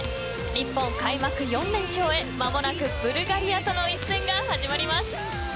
日本開幕４連勝へ間もなくブルガリアとの一戦が始まります。